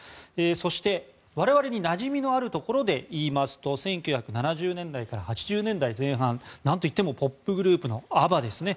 そして、我々になじみのあるところでいいますと１９７０年代から８０年代前半なんといってもポップグループのＡＢＢＡですね。